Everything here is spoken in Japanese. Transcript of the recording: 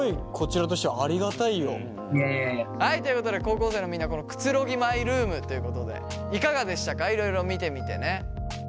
はいということで高校生のみんなこのくつろぎマイルームということでいかがでしたかいろいろ見てみてね。